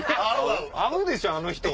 合うでしょあの人。